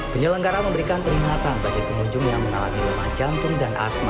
penyelenggara memberikan peringatan bagi penunjung yang menalami lupa jantung dan asma